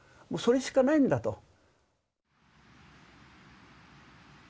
それしかないんだと。